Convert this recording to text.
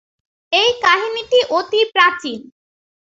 এই কাহিনিটি অতি প্রাচীন।